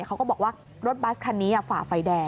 เขาก็บอกว่ารถบัสคันนี้ฝ่าไฟแดง